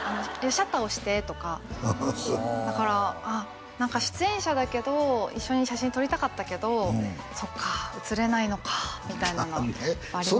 「シャッター押して」とかはあだからああ出演者だけど一緒に写真撮りたかったけどそっかあ写れないのかあみたいなのはありますね